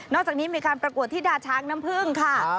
อกจากนี้มีการประกวดที่ดาช้างน้ำพึ่งค่ะ